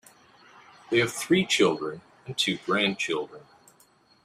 They have three children and two grandchildren.